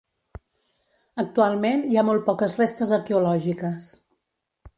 Actualment hi ha molt poques restes arqueològiques.